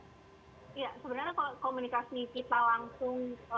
ya sebenarnya kalau komunikasi kita langsung